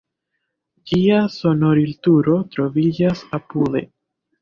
Ĝia sonorilturo troviĝas apude.